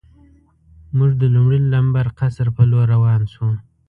موږ د لومړي لمبر قصر په لور روان شو.